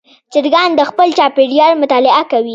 چرګان د خپل چاپېریال مطالعه کوي.